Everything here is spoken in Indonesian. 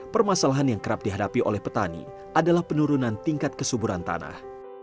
permasalahan yang kerap dihadapi oleh petani adalah penurunan tingkat kesuburan tanah